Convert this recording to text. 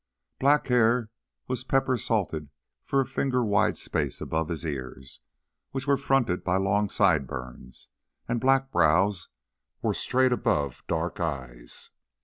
Black hair was pepper salted for a finger wide space above his ears, which were fronted by long sideburns, and black brows were straight above dark eyes.